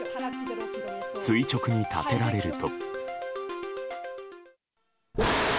垂直に立てられると。